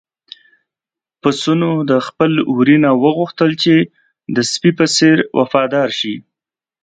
پسونو د خپل وري نه وغوښتل چې د سپي په څېر وفادار شي.